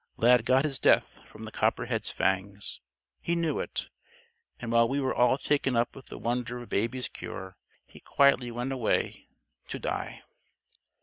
Lad got his death from the copperhead's fangs. He knew it. And while we were all taken up with the wonder of Baby's cure, he quietly went away to die."